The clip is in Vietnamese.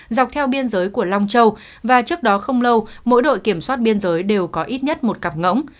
dọc theo biên giới của long châu và trước đó không lâu mỗi đội kiểm soát biên giới đều có ít nhất một cặp ngỗng